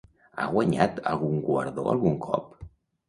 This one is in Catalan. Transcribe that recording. Ha guanyat algun guardó algun cop?